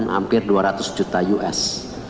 hampir dua ratus juta us